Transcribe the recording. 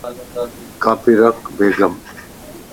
کاپي رک بيگ ام